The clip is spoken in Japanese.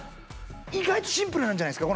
意外とシンプルなんじゃないですか？